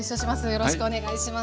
よろしくお願いします。